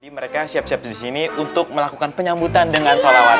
mereka siap siap disini untuk melakukan penyambutan dengan sholawat